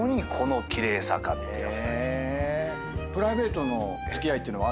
プライベートの付き合いっていうのは。